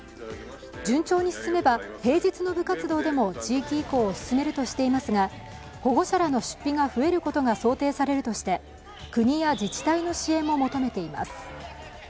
順調に進めば、平日の部活動でも地域移行を進めるとしていますが、保護者らの出費が増えることが想定されるとして、国や自治体の支援も求めています。